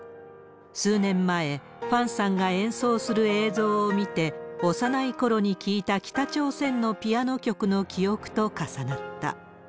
数年前、ファンさんが演奏する映像を見て、幼いころに聴いた北朝鮮のピアノ曲の記憶と重なった。